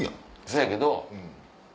せやけど。